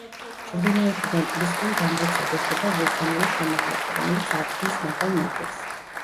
ჩრდილოეთიდან ტბისკენ დამრეცად ეშვება ვულკანური შემაღლება, რომელიც არ ქმნის მაღალ ნაპირს.